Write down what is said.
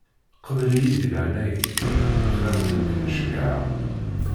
Qbel ihi di leɛnaya-k, lxiṛ-nni i k-n-ceggɛeɣ;